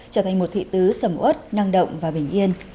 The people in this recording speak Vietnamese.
trở thành một thị tứ sầm ớt năng động và bình yên